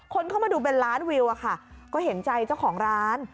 คนเข้ามาดูเป็นล้านวิวอะค่ะก็เห็นใจเจ้าของร้าน